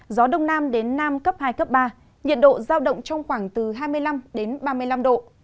gió đông nam đến nam cấp hai cấp ba nhiệt độ giao động trong khoảng từ hai mươi năm đến ba mươi năm độ